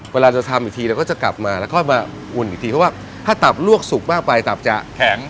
เวลาจะทำอีกทีเราก็จะกลับมาแล้วค่อยมาอุ่นอีกทีเพราะว่าถ้าตับลวกสุกมากไปตับจะแข็ง